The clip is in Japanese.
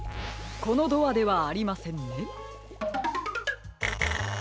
このドアではありませんね。